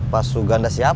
pak suganda siapa